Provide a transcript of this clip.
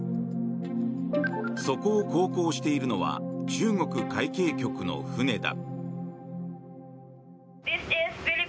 そこを航行しているのは中国海警局の船だ。